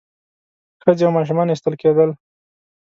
ښځې او ماشومان ایستل کېدل.